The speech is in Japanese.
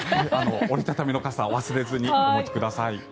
折り畳みの傘を忘れずにお持ちください。